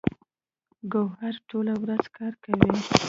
ګوهر ټوله ورځ کار کوي